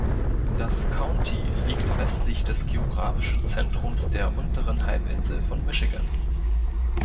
Das County liegt westlich des geographischen Zentrums der "Unteren Halbinsel" von Michigan.